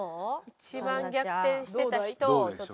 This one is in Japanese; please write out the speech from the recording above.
一番逆転してた人をちょっと。